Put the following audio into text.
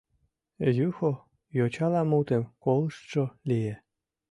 Юхо йочала мутым колыштшо лие.